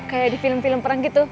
kayak di film film perang gitu